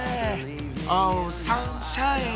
オーサンシャイン！